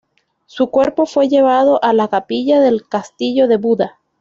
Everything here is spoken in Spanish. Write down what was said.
Su cuerpo fue llevado a la capilla del castillo de Buda.